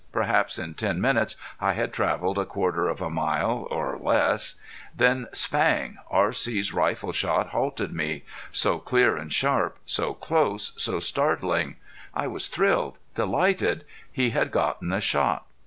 Perhaps in ten minutes I had traveled a quarter of a mile or less. Then spang! R.C.'s rifle shot halted me. So clear and sharp, so close, so startling! I was thrilled, delighted he had gotten a shot.